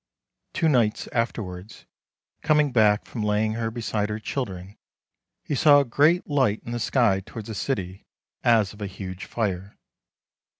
Two nights afterwards, coming back from laying her beside her children, he saw a great light in the sky towards the city, as of a huge fire.